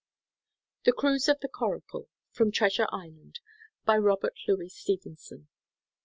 THE CRUISE OF THE CORACLE (From Treasure Island.) By ROBERT LOUIS STEVENSON.